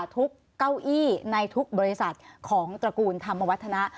เก้าอี้ในทุกบริษัทของตระกูลธรรมวัฒนะ